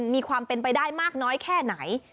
มีความเป็นไปได้มากน้อยแค่ไหน